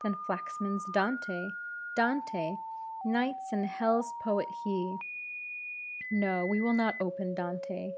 Then Flaxman's Dante; Dante! Night's and Hell's poet he. No, we will not open Dante.